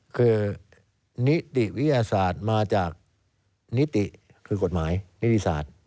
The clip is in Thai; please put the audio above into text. คือนิติวิทยาศาสตร์มาจากนิติคือกฎหมายนิติศาสตร์